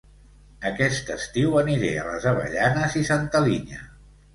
Aquest estiu aniré a Les Avellanes i Santa Linya